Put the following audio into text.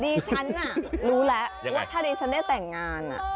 ดิฉันรู้แล้วว่าถ้าดิฉันได้แต่งงาน